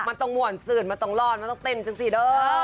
มันต้องม่วนซื่นมันต้องรอดมันต้องเต้นจังสิเด้อ